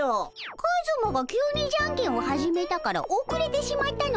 カズマが急にじゃんけんを始めたからおくれてしまったのじゃ。